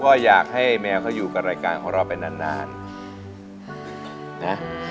ก็อยากให้แมวเขาอยู่กับรายการของเราไปนานนะ